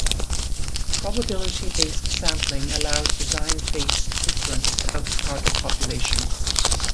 Probability-based sampling allows design-based inference about the target population.